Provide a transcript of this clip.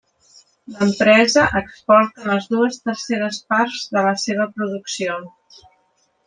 L'empresa exporta les dues terceres parts de la seva producció.